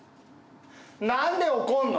何で怒んの？